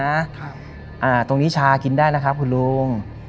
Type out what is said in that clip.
อ่าตรงนี้ชากินได้นะครับคุณลุง